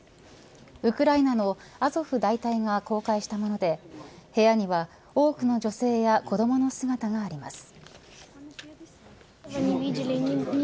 ウクライナのアゾフ大隊が公開したもので部屋には多くの女性や子どもの姿があります。